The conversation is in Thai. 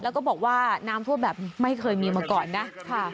แล้วก็บอกว่าน้ำท่วมแบบไม่เคยมีมาก่อนนะ